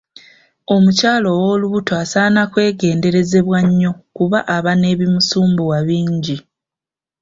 Omukyala owoolubuto asaana kwegenderezebwa nnyo kuba aba n'ebimusumbuwa bingi.